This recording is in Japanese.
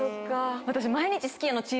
私。